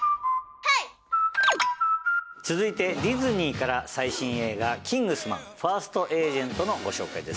続いてディズニーから最新映画『キングスマン：ファースト・エージェント』のご紹介です。